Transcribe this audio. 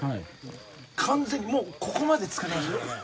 完全にもうここまでつかりましたからね。